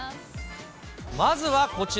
まずはこちら。